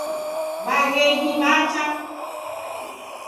Waghenyi wacha.